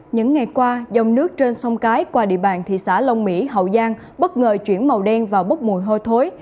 những ngày qua dòng nước trên sông cái qua địa bàn thị xã long mỹ hậu giang bất ngờ chuyển màu đen và bốc mùi hôi thối